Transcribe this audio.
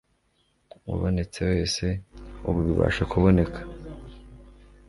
ubonetse wese, ubu bibasha kuboneka